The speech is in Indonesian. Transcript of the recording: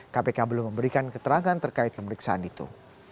kpk belum memberikan keterangan terkait pemeriksaan itu